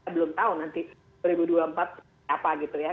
belum tahu nanti dua ribu dua puluh empat seperti apa gitu ya